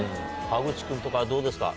川口君とかどうですか？